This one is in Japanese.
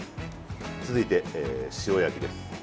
続いて、塩焼きです。